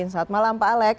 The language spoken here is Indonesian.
selamat malam pak alex